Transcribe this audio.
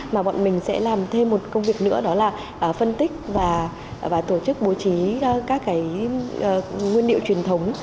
mà bọn mình sẽ làm thêm một công việc nữa đó là phân tích và tổ chức bố trí các cái nguyên liệu truyền thống